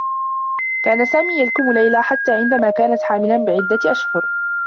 كان سامي يلكم ليلى حتّى عندما كانت حاملا بعدّة أشهر.